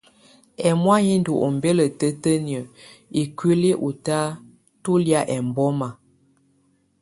Ɛmɔ̀á yɛ̀ ndù ɔmbɛla tǝtǝniǝ́ ikuili ù tà tù lɛ̀á ɛmbɔma.